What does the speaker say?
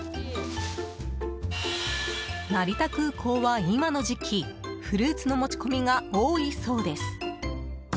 成田空港は今の時期フルーツの持ち込みが多いそうです。